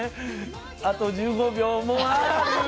「あと１５秒もある」